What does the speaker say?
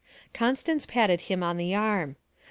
Constance patted him on the arm.